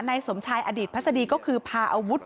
สมชายอดีตพัศดีก็คือพาอาวุธ